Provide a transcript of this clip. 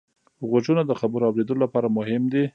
غوږونه د خبرو اورېدلو لپاره مهم دي